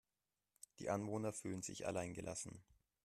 Die Anwohner fühlen sich allein gelassen.